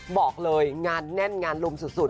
บอกเลยงานแน่นงานลุมสุด